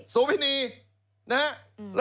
สูบินีนะครับ